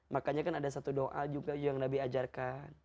makanya kan ada satu doa juga yang nabi ajarkan